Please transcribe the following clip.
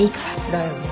だよね。